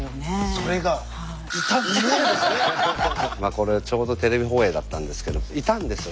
これちょうどテレビ放映だったんですけどいたんですよ